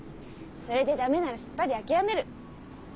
それで駄目ならすっぱり諦める。